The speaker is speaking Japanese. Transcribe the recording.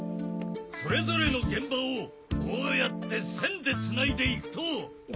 それぞれの現場をこうやって線でつないで行くと。